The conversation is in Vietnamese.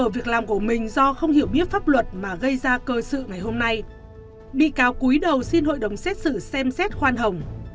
vụ luật mà gây ra cơ sự ngày hôm nay bi cáo cúi đầu xin hội đồng xét xử xem xét khoan hồng